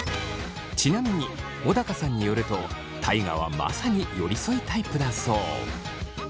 ちなみに小高さんによると大我はまさに寄り添いタイプだそう。